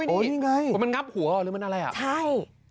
นี่ไงเพราะมันงับหัวหรือมันอะไรอ่ะใช่